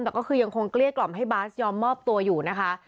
แต่ก็คือยังคงเกลี้ยกล่อมให้บาสยอมมอบตัวอยู่นะคะ